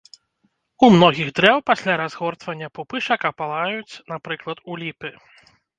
У многіх дрэў пасля разгортвання пупышак апалаюць, напрыклад, у ліпы.